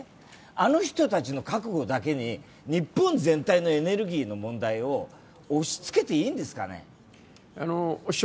あの人たちの覚悟だけに日本全体のエネルギーの問題を押しつけていいんですかね。